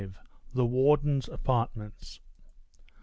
The Warden's Apartments.